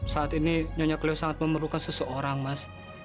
saat ini nyonya keleo sangat memerlukan seseorang mas